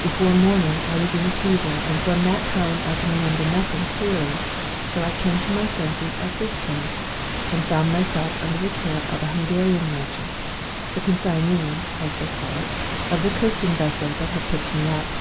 Before morning I was in a fever; and from that time I can remember nothing clearly till I came to my senses at this place, and found myself under the care of a Hungarian merchant, the consignee (as they call it) of the coasting vessel that had picked me up.